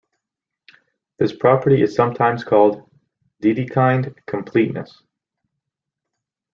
This property is sometimes called "Dedekind completeness".